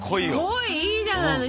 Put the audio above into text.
恋いいじゃないの。